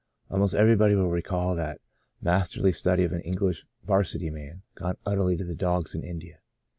Almost everybody will recall that masterly study of an English 'varsity man, gone ut terly to the dogs in India.